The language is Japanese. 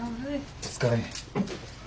お疲れ。